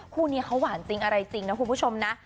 คู่นี้เขาหวานจริงอะไรจริงนะคุณผู้ชมนะ